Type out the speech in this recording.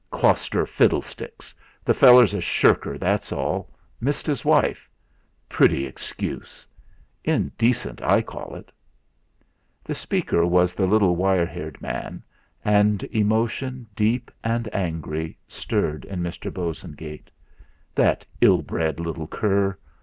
"Clauster fiddlesticks! The feller's a shirker, that's all. Missed his wife pretty excuse! Indecent, I call it!" The speaker was the little wire haired man; and emotion, deep and angry, stirred in Mr. Bosengate. That ill bred little cur!